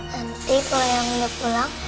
nanti kalau eyang mau pulang